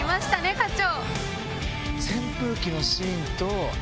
課長。